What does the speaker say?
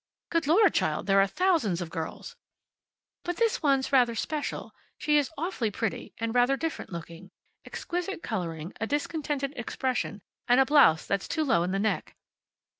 "Good Lord, child! There are thousands of girls." "But this one's rather special. She is awfully pretty, and rather different looking. Exquisite coloring, a discontented expression, and a blouse that's too low in the neck."